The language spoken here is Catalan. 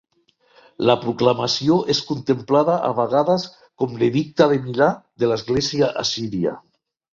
La proclamació és contemplada a vegades com "l'Edicte de Milà de l'Església Assíria".